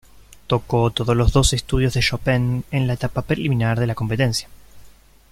Tocó todos los doce estudios de Chopin en la etapa preliminar de la competencia.